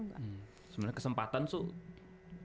sebenarnya kesempatan tuh terbuka